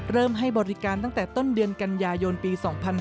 ให้บริการตั้งแต่ต้นเดือนกันยายนปี๒๕๕๙